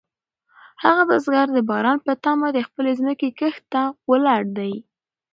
هغه بزګر د باران په تمه د خپلې ځمکې کښت ته ولاړ دی.